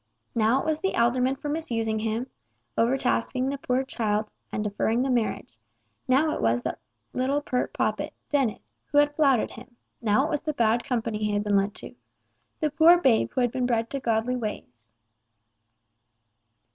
Now it was the alderman for misusing him, overtasking the poor child, and deferring the marriage, now it was that little pert poppet, Dennet, who had flouted him, now it was the bad company he had been led into—the poor babe who had been bred to godly ways.